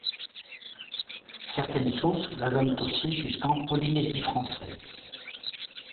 Certaines sources la donnent aussi jusqu'en Polynésie française.